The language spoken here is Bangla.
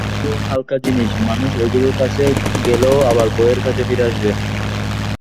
এগুলো হালকা জিনিস, মানুষ এগুলোর কাছে গেলেও আবার বইয়ের কাছে ফিরে আসবে।